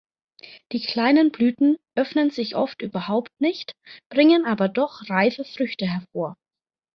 Die kleinen Blüten öffnen sich oft überhaupt nicht, bringen aber doch reife Früchte hervor.